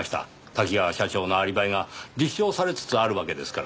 多岐川社長のアリバイが立証されつつあるわけですからねぇ。